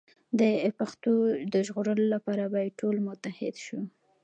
د پښتو د ژغورلو لپاره باید ټول متحد شو.